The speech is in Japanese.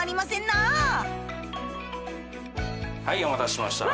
なお待たせしました。